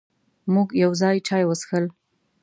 مونږ یو ځای چای وڅښل.